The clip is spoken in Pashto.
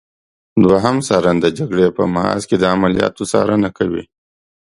دوهم څارن د جګړې په محاذ کې د عملیاتو څارنه کوي.